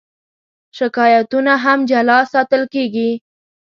شکایتونه هم جلا ساتل کېږي.